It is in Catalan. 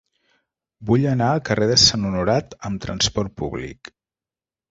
Vull anar al carrer de Sant Honorat amb trasport públic.